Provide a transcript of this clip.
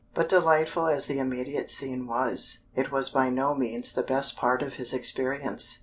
But delightful as the immediate scene was, it was by no means the best part of his experience.